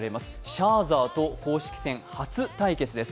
シャーザーと公式戦初対決です。